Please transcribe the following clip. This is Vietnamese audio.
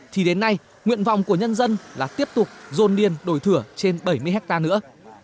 thì đến nay nguyện vọng của nhân dân là tiếp tục dồn điền đổi thửa trên bảy mươi hectare nữa